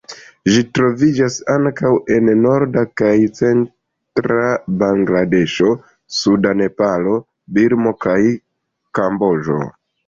Ĝi troviĝas ankaŭ en norda kaj centra Bangladeŝo, suda Nepalo, Birmo kaj Kamboĝo.